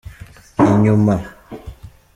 inyuma.